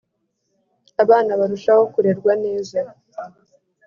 Abana barushaho kurerwa neza